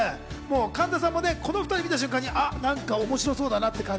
神田さんもこの２人見た瞬間、なんか面白そうだなって。